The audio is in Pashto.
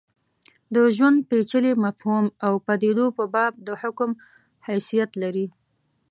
د ژوند پېچلي مفهوم او پدیدو په باب د حکم حیثیت لري.